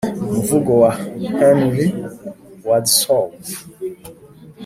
umuvugo wa henry wadsworth